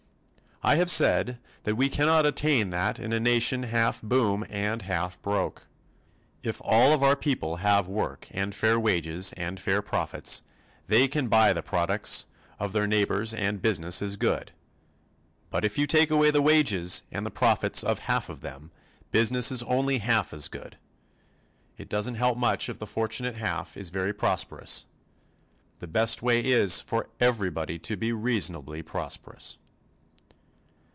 I have said that we cannot attain that in a nation half boom and half broke. If all of our people have work and fair wages and fair profits, they can buy the products of their neighbors and business is good. But if you take away the wages and the profits of half of them, business is only half as good. It doesn't help much if the fortunate half is very prosperous the best way is for everybody to be reasonably prosperous.